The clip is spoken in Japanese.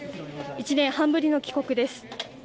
１年半ぶりの帰国です。